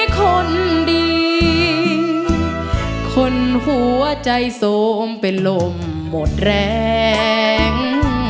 คนดีคนหัวใจโสมเป็นลมหมดแรง